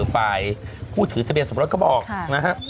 ฝ่ายผู้ถือทะเบียนสมรสก็บอกนะฮะ